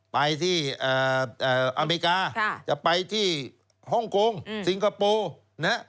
ไปที่อเมริกาจะไปที่ฮ่องกงสิงคโปร์นะฮะ